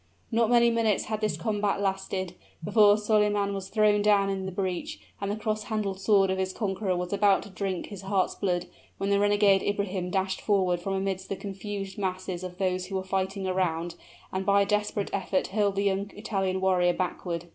Not many minutes had this combat lasted, before Solyman was thrown down in the breach, and the cross handled sword of his conqueror was about to drink his heart's blood, when the renegade Ibrahim dashed forward from amidst the confused masses of those who were fighting around, and by a desperate effort hurled the young Italian warrior backward.